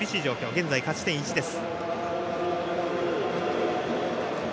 現在、勝ち点１です。